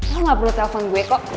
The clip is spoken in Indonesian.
lo gak perlu telepon gue kok